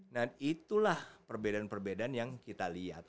dan itulah perbedaan perbedaan yang kita lihat